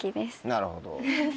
なるほど。